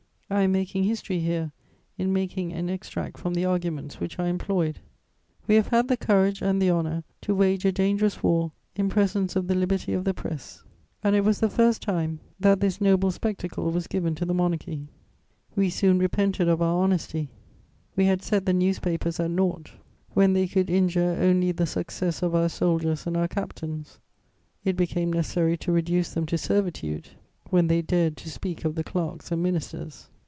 I am making history here in making an extract from the arguments which I employed. [Sidenote: My polemical warfare.] "We have had the courage and the honour to wage a dangerous war in presence of the liberty of the press, and it was the first time that this noble spectacle was given to the monarchy. We soon repented of our honesty. We had set the newspapers at naught when they could injure only the success of our soldiers and our captains; it became necessary to reduce them to servitude when they dared to speak of the clerks and ministers....